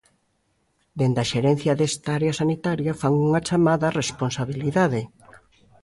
Dende a xerencia desta área sanitaria fan unha chamada á responsabilidade.